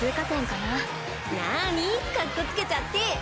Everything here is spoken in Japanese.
かっこつけちゃって。